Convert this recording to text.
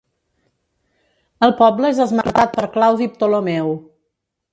El poble és esmentat per Claudi Ptolemeu.